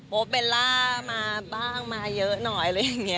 เบลล่ามาบ้างมาเยอะหน่อยอะไรอย่างนี้